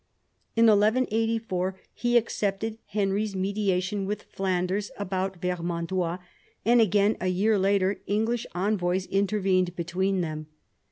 In 1184 he accepted Henry's mediation with Flanders about Vermandois, and again, a year later, English envoys intervened between them.